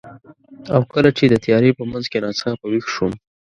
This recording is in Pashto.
او کله چې د تیارې په منځ کې ناڅاپه ویښ شوم،